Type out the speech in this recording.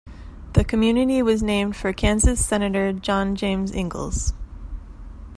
The community was named for Kansas senator John James Ingalls.